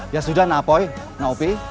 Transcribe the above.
ya sudah nak poi nak opi